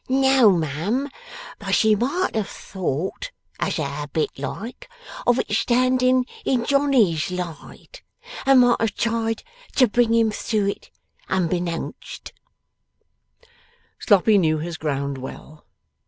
'No mum, but she might have thought (as a habit like) of its standing in Johnny's light, and might have tried to bring him through it unbeknownst.' Sloppy knew his ground well.